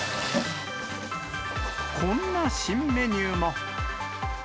こんな新メニューも。